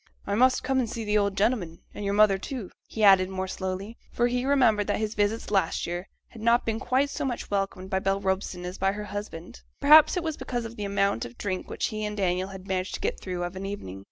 'I must come and see the old gentleman; and your mother, too,' he added more slowly, for he remembered that his visits last year had not been quite so much welcomed by Bell Robson as by her husband; perhaps it was because of the amount of drink which he and Daniel managed to get through of an evening.